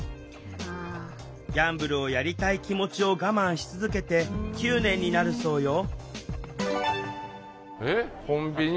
ギャンブルをやりたい気持ちを我慢し続けて９年になるそうよＡＴＭ？